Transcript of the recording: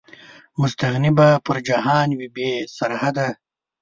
مستغني به پر جهان وي، بې سرحده